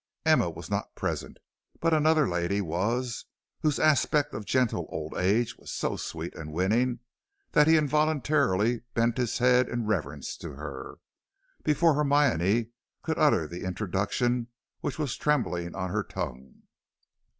Emma was not present, but another lady was, whose aspect of gentle old age was so sweet and winning that he involuntarily bent his head in reverence to her, before Hermione could utter the introduction which was trembling on her tongue.